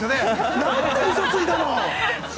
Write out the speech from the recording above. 何でうそついたの。